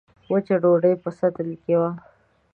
وچه ډوډۍ په سطل کې وه.